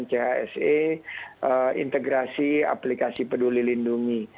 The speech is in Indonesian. dan chse integrasi aplikasi peduli lindungi